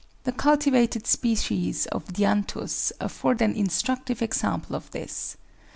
The culti vated species of Dianthus afford an instructive example of this.